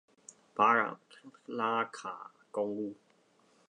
巴拉卡公路